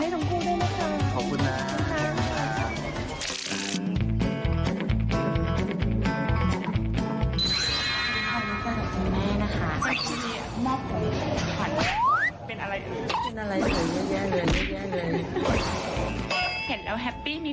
ได้เลยครับเกียจจากครับ